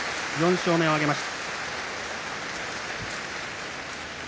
４勝目を挙げました。